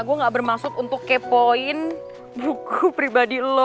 aku gak bermaksud untuk kepoin buku pribadi lo